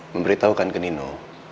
memberitahukan ke nino